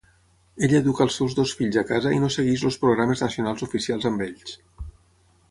Ella educa els seus dos fills a casa i no segueix els programes nacionals oficials amb ells.